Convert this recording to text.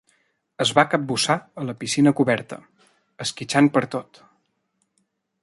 Es va capbussar a la piscina coberta, esquitxant pertot.